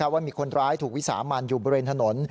ว่ามีคนร้ายถูกวิสามันอยู่บริเวณถนน